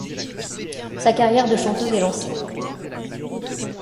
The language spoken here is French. Sa carrière de chanteuse est lancée.